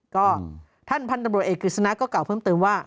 ก็ท่านพันธุ์ตำรวจเอกกฤษณะก็กล่าวเพิ่มเติมว่า